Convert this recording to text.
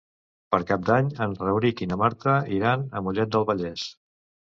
Per Cap d'Any en Rauric i na Marta iran a Mollet del Vallès.